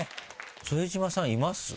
副島さんいます？